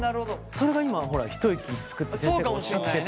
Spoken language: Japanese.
それが今ほら一息つくって先生がおっしゃってた。